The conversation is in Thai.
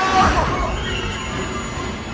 แต่กูต้องตาย